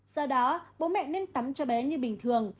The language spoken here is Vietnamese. do đó bố mẹ nên tắm cho bé như bình thường